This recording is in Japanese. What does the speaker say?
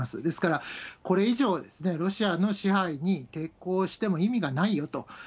ですから、これ以上、ロシアの支配に抵抗しても意味がないよと。